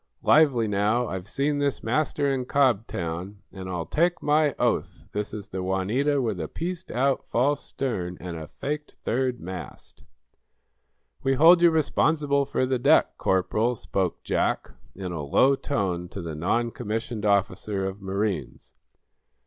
Lively, now! I've seen this master in Cobtown, and I'll take my oath this is the 'Juanita' with a pieced out, false stern and a faked third mast!" "We hold you responsible for the deck, Corporal," spoke Jack, in a low tone to the noncommissioned officer of marines.